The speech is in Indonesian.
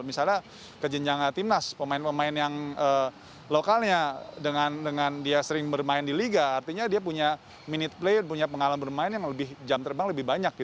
misalnya kejenjangan timnas pemain pemain yang lokalnya dengan dia sering bermain di liga artinya dia punya minute play punya pengalaman bermain yang lebih jam terbang lebih banyak